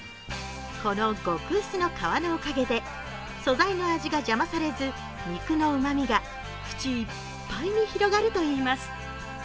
この極薄の皮のおかげで素材の味が邪魔されず肉のうまみが口いっぱいに広がるといいます。